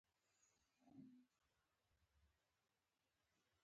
د زراعت عصري کول د کليوال اقتصاد بنسټ دی.